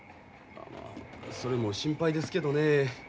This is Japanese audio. それも心配ですけどね